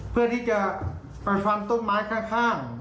เพื่อที่จะไปฟันต้นไม้ข้าง